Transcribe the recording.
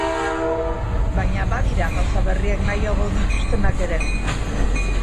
Baina badira gauza berriak nahiago dituztenak ere.